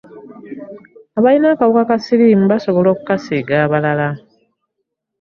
Abalina akawuka ka ssiirimu basobola okukasiiga abalala.